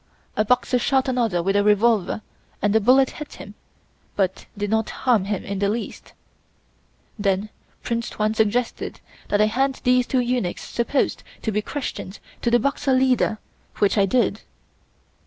A Boxer shot another with a revolver and the bullet hit him, but did not harm him in the least. Then Prince Tuan suggested that I hand these two eunuchs supposed to be Christians to the Boxer leader, which I did.